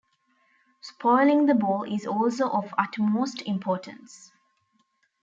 Spoiling the ball is also of utmost importance.